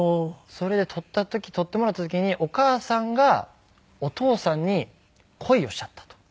それで撮ってもらった時にお母さんがお父さんに恋をしちゃったと。